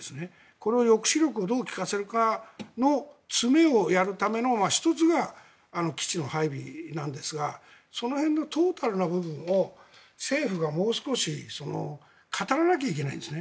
これを抑止力をどう利かせるかの詰めをやるための１つが基地の配備なんですがその辺のトータルな部分を政府がもう少し語らなきゃいけないんです。